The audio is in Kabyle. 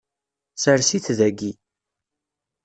Sres-it daki.